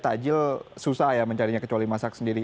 takjil susah ya mencarinya kecuali masak sendiri